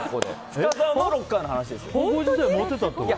深澤のロッカーの話です。